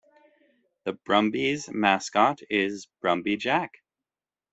The Brumbies mascot is "Brumby Jack".